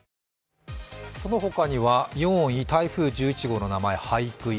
その他には４位、台風１１号の名前、ハイクイ。